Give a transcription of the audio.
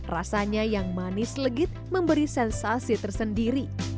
rasanya yang manis legit memberi sensasi tersendiri